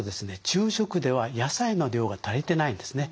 昼食では野菜の量が足りてないんですね。